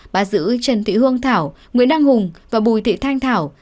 bá giữ trần thị hương thảo nguyễn đăng hùng và bùi thị thanh thảo